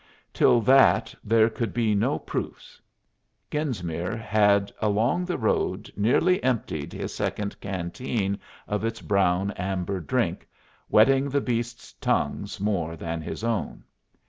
Till that there could be no proofs. Genesmere had along the road nearly emptied his second canteen of its brown amber drink, wetting the beasts' tongues more than his own.